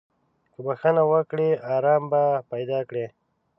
که بخښنه وکړې، ارام به پیدا کړې.